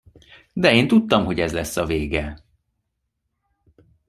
De én tudtam, hogy ez lesz a vége!